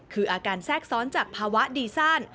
คืออาการแทรกซ้อนจากภาวะดีซ่าน